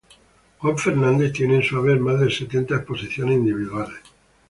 Juan Fernández tiene en su haber más de setenta exposiciones individuales.